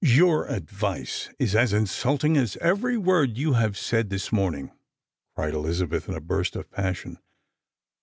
" Your advice is as insulting as — as every word you have said this morning," cried Elizabeth, in a burst of passion.